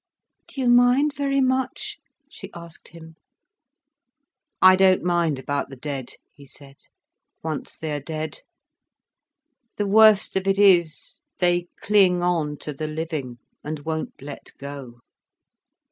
"Do you mind very much?" she asked him. "I don't mind about the dead," he said, "once they are dead. The worst of it is, they cling on to the living, and won't let go."